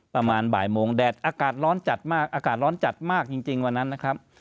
ประมาณบ่ายโมงแดดอากาศร้อนจัดมากอากาศร้อนจัดมากจริงวันนั้นนะครับ